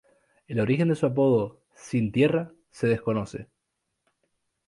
El origen de su apodo "Sin Tierra" se desconoce.